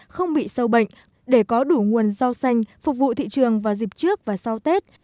không bị sâu bệnh để có đủ nguồn rau xanh phục vụ thị trường vào dịp trước và sau tết